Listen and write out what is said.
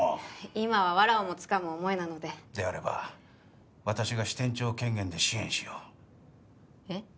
今はわらをもつかむ思いなのでであれば私が支店長権限で支援しようえっ？